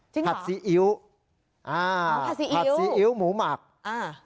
จริงหรอผัดซีอิ๊วอ่าผัดซีอิ๊วผัดซีอิ๊วหมูหมักอ่า